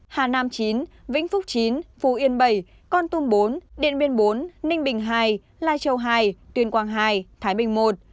một mươi hà nam chín vĩnh phúc chín phú yên bảy con tum bốn điện biên bốn ninh bình hai lai châu hai tuyên quang hai thái bình một